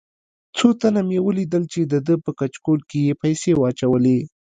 څو تنه مې ولیدل چې دده په کچکول کې یې پیسې واچولې.